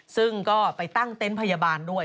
ซึ่งก็ไปตั้งเต็นต์พยาบาลด้วย